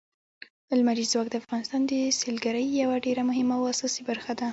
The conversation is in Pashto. لمریز ځواک د افغانستان د سیلګرۍ یوه ډېره مهمه او اساسي برخه ده.